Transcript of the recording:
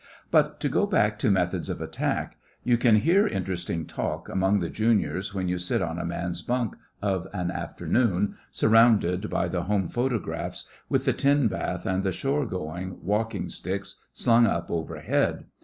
But to go back to methods of attack. You can hear interesting talk among the juniors when you sit on a man's bunk of an afternoon, surrounded by the home photographs, with the tin bath and the shore going walking sticks slung up overhead.